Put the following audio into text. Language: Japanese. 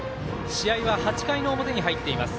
試合は８回の表に入っています。